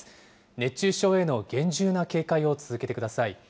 熱中症への厳重な警戒を続けてください。